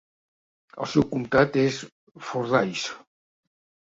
La seu del comtat és Fordyce.